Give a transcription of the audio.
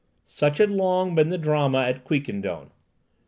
Such had long been the drama at Quiquendone.